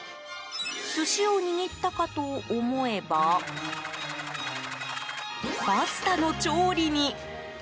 寿司を握ったかと思えばパスタの調理に。